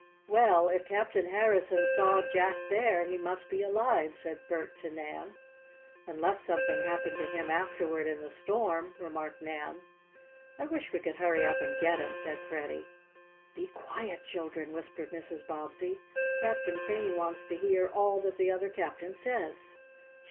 "Well, if Captain Harrison saw Jack there he must be alive," said Bert to Nan. "Unless something happened to him afterward in the storm," remarked Nan. "I wish we could hurry up and get him," said Freddie. "Be quiet, children," whispered Mrs. Bobbsey. "Captain Crane wants to hear all that the other captain says."